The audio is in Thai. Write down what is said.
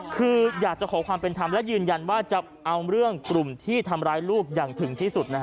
คืออยากจะขอความเป็นธรรมและยืนยันว่าจะเอาเรื่องกลุ่มที่ทำร้ายลูกอย่างถึงที่สุด